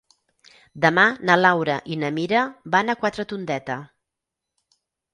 Demà na Laura i na Mira van a Quatretondeta.